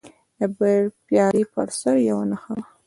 د پیالې پر سر یوه نښه وه.